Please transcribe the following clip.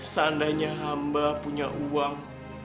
seandainya hamba punya uang